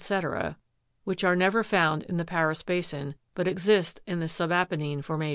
163), &c., which are never found in the Paris basin, but exist in the subapennine formation.